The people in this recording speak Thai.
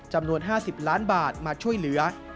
จำนวน๕๐ล้านบาทมาช่วยเหลือ